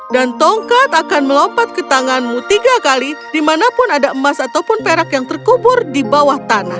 dan tongkat akan melompat ke tanganmu tiga kali dimanapun ada emas ataupun perak yang terkubur di bawah tanah